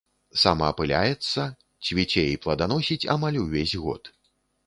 Самаапыляецца, цвіце і пладаносіць амаль увесь год.